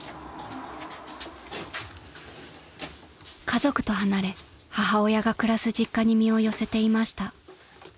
［家族と離れ母親が暮らす実家に身を寄せていました］